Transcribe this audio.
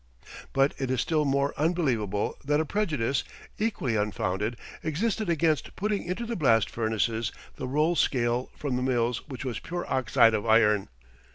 But it is still more unbelievable that a prejudice, equally unfounded, existed against putting into the blast furnaces the roll scale from the mills which was pure oxide of iron.